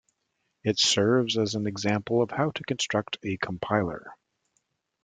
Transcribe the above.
It serves as an example of how to construct a compiler.